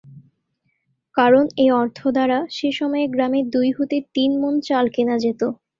কারণ এ অর্থ দ্বারা সেসময়ে গ্রামে দুই হতে তিন মণ চাল কেনা যেত।